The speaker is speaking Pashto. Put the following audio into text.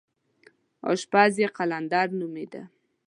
اشپز یې قلندر نومېده.